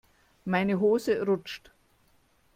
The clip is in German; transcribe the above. Meine Hose rutscht.